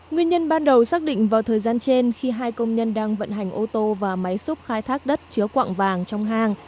nguyên nhân ban đầu xác định vào thời gian trên khi hai công nhân đang vận hành ô tô và máy xúc khai thác đất chứa quạng vàng trong hang